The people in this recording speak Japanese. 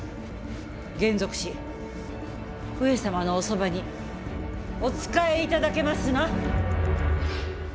還俗し、上様のおそばにお仕え頂けますな。